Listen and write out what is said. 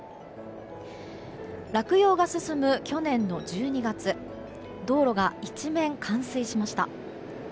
落葉が進む、去年の１２月道路が一面冠水しました。